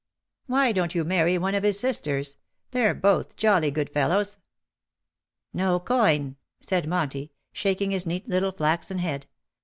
Why donH you marry one of his sisters ?— they're both jolly good fellows/' '^ No coin,'' said Monty, shaking his neat little flaxen head.